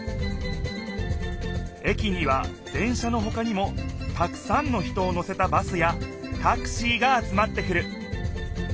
駅には電車のほかにもたくさんの人を乗せたバスやタクシーが集まってくる。